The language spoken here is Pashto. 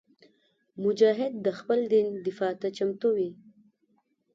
مجاهد د خپل دین دفاع ته چمتو وي.